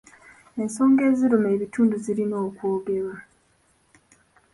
Ensonga eziruma ekitundu zirina okwogerwa.